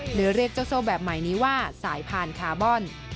หรือเรียกเจ้าโซ่แบบใหม่นี้ว่าสายพานคาร์บอน